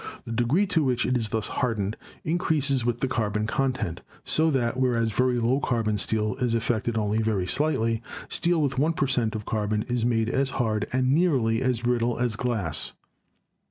The degree to which it is thus hardened in creases with the carbon content, so that whereas very low carbon steel is affected only very slightly, steel with 1 per cent, of carbon is made as hard and nearly as brittle as glass.